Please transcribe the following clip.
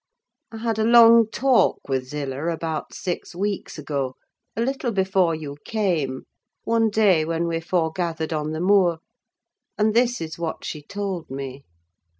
I had a long talk with Zillah about six weeks ago, a little before you came, one day when we foregathered on the moor; and this is what she told me.